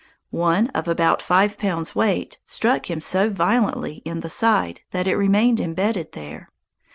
One, of about five pounds' weight, struck him so violently in the side that it remained embedded there.